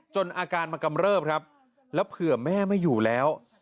อาการมากำเริบครับแล้วเผื่อแม่ไม่อยู่แล้ว